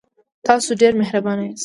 تاسو ډیر مهربانه یاست.